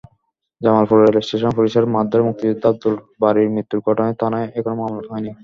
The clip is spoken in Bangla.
জামালপুর রেলস্টেশনে পুলিশের মারধরে মুক্তিযোদ্ধা আবদুল বারীর মৃত্যুর ঘটনায় থানায় এখনো মামলা হয়নি।